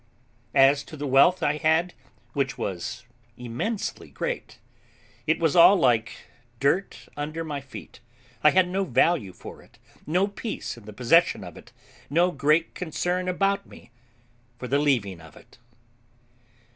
As to the wealth I had, which was immensely great, it was all like dirt under my feet; I had no value for it, no peace in the possession of it, no great concern about me for the leaving of it.